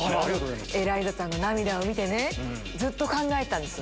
エライザさんの涙を見てねずっと考えてたんですよ。